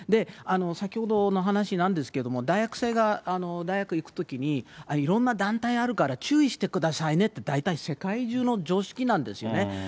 先ほどの話なんですけれども、大学生が大学行くときに、いろんな団体あるから注意してくださいねって、大体世界中の常識なんですよね。